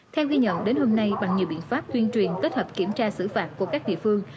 theo ghi nhận đến hôm nay bằng nhiều biện pháp tuyên truyền kết hợp kiểm tra xử phạt của các địa phương